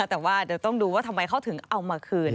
แต่ว่าเดี๋ยวต้องดูว่าทำไมเขาถึงเอามาคืน